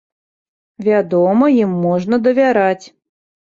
Вядома, ім можна давяраць.